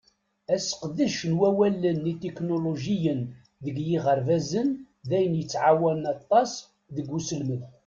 Aseqdec n wallalen itiknulujiyen deg yiɣerbazen d ayen yettƐawanen aṭas deg uselmed.